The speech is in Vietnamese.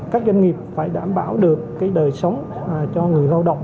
các doanh nghiệp phải đảm bảo được cái đời sống cho người lao động